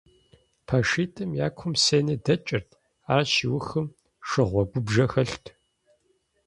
ПэшитӀым я кум сенэ дэкӀырт, ар щиухым шыгъуэгубжэ хэлът.